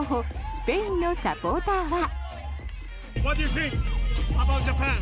スペインのサポーターは。